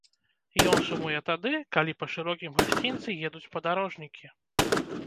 Ён сумуе тады, калі па шырокім гасцінцы едуць падарожнікі.